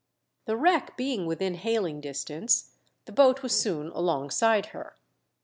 The wTeck being within hailing distance, the boat was soon alongside her.